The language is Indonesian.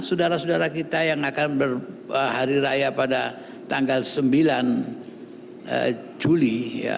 saudara saudara kita yang akan berhari raya pada tanggal sembilan juli